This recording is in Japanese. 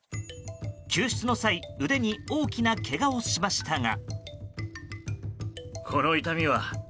救出の際、腕に大きなけがをしましたが。